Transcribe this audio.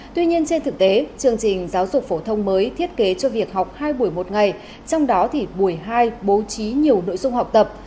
tuy nhiên trên thực tế chương trình giáo dục phổ thông mới thiết kế cho việc học hai buổi một ngày trong đó thì buổi hai bố trí nhiều nội dung học tập